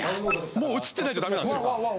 もう映ってないとダメなんですよ。